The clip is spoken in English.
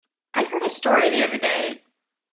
I heard a story the other day.